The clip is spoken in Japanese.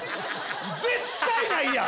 絶対ないやん！